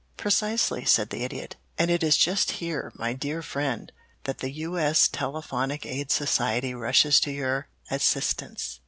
"Precisely," said the Idiot. "And it is just here, my dear friend, that the U. S. Telephonic Aid Society rushes to your assistance.